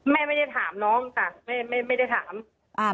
แม่ไม่ได้ถามน้องค่ะไม่ได้ถาม